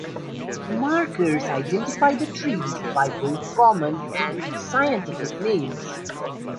Markers identify the trees by both common and scientific names.